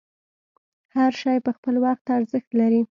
هر شی په خپل وخت ارزښت لري.